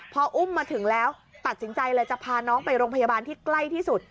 พออุ้มมาถึงแล้วตัดสินใจเลยจะพาน้องไปโรงพยาบาลที่ใกล้ที่สุด